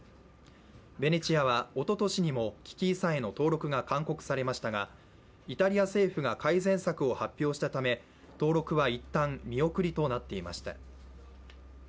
ベネチアはおととしにも危機遺産への登録が勧告されましたがイタリア政府が改善策を発表したため登録はいったん見送りとなっていました。